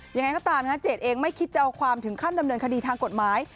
ยังไงก็ตามเจดเองไม่คิดจะเอาความถึงขั้นดำเนินคดีทางกฎหมาย